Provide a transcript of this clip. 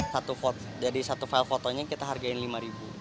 satu file fotonya kita hargai rp lima